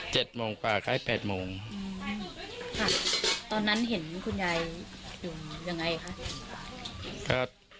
โมงกว่าคล้ายแปดโมงอืมค่ะตอนนั้นเห็นคุณยายอยู่ยังไงคะครับ